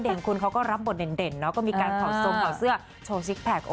เด่นคุณเขาก็รับบทเด่นมีการผ่าส่งผ่าเสื้อโชว์ซิกแพค